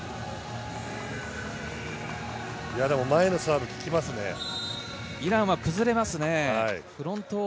前のサーブが効きますね。